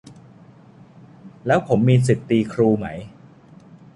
แล้วผมมีสิทธิ์ตีครูไหม